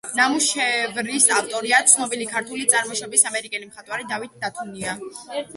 ნამუშევრის ავტორია ცნობილი ქართული წარმოშობის ამერიკელი მხატვარი დავით დათუნა.